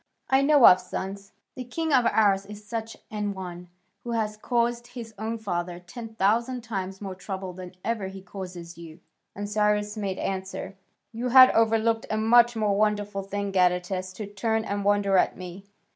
I know of sons this king of ours is such an one, who has caused his own father ten thousand times more trouble than ever he causes you." And Cyrus made answer: "You have overlooked a much more wonderful thing, Gadatas, to turn and wonder at me."